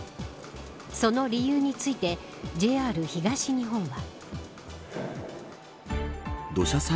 その理由についてＪＲ東日本は。